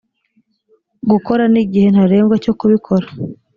gukora n igihe ntarengwa cyo kubikora